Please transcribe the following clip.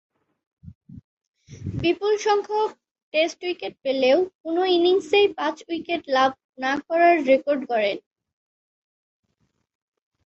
বিপুলসংখ্যক test wicket পেলেও কোন ইনিংসেই পাঁচ উইকেট লাভ না করার রেকর্ড গড়েন।